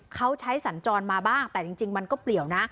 เขาใช้สัญจรมาบ้างแต่จริงมันก็เปลี่ยวนะ